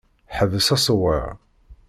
Ḥbes aṣewwer!